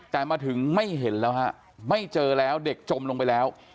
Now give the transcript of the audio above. แต่มาถึงไม่เห็นแล้วฮะไม่เจอแล้วเด็กจมลงไปแล้ว